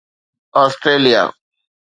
Australia